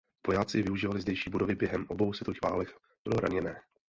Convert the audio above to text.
Vojáci využívali zdejší budovy během obou světových válek pro raněné.